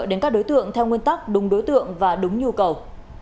đến các đối tượng theo nguyên tắc đúng đối tượng và đúng nhu cầu